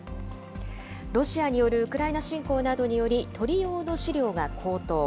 ロシアによるウクライナ侵攻などにより、鶏用の飼料が高騰。